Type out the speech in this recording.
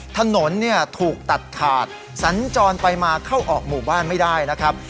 ถนนเนี่ยถูกตัดขาดสัญจรไปมาเข้าออกหมู่บ้านไม่ได้นะครับ